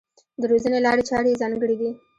د روزنې لارې چارې یې ځانګړې دي.